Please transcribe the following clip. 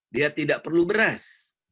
dia tidak perlu beras